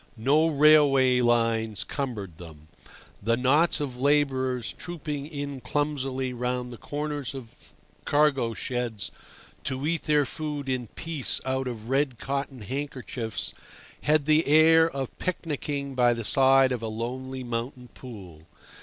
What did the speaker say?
No railway lines cumbered them. The knots of labourers trooping in clumsily round the corners of cargo sheds to eat their food in peace out of red cotton handkerchiefs had the air of picnicking by the side of a lonely mountain pool.